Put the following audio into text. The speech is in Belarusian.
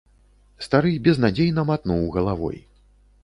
Стары безнадзейна матнуў галавой.